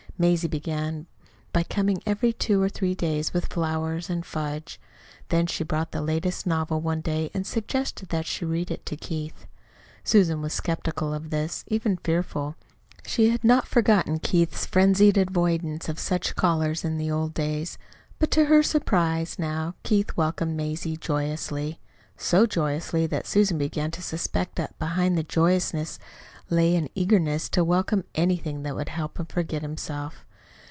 Mazie began by coming every two or three days with flowers and fudge. Then she brought the latest novel one day and suggested that she read it to Keith. Susan was skeptical of this, even fearful. She had not forgotten Keith's frenzied avoidance of such callers in the old days. But to her surprise now Keith welcomed Mazie joyously so joyously that Susan began to suspect that behind the joyousness lay an eagerness to welcome anything that would help him to forget himself.